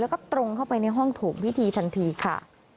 แล้วก็ตรงเข้าไปในห้องถูกพิธีทันทีค่ะ